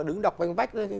đứng đọc văn vách